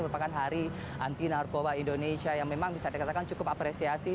merupakan hari anti narkoba indonesia yang memang bisa dikatakan cukup apresiasi